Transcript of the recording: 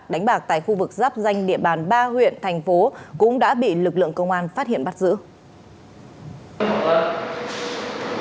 đánh bạc tại khu vực giáp danh địa bàn ba huyện thành phố cũng đã bị lực lượng công an phát hiện bắt giữ